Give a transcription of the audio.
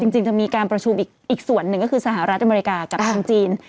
จริงจะมีการประชุมอีกส่วนหนึ่งก็คือสหรัฐอเมริกากับทางจีน